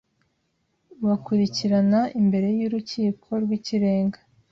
ubakurikirana imbere y Urukiko rw Ikirenga